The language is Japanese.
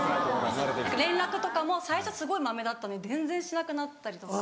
連絡とかも最初すごいまめだったのに全然しなくなったりとか。